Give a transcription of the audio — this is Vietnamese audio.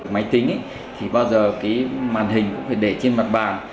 máy tính thì bao giờ cái màn hình cũng phải để trên mặt bàn